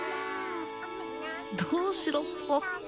どうしろと？